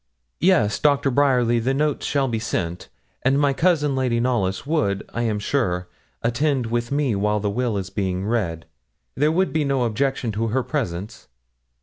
'Yes, Dr. Bryerly, the notes shall be sent, and my cousin, Lady Knollys, would I am sure attend with me while the will is being read there would be no objection to her presence?'